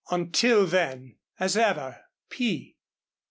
Until then As ever, P.